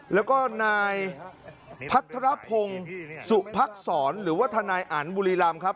แล้วก็นายพัทรพงศ์สุพักษรหรือว่าทนายอันบุรีรำครับ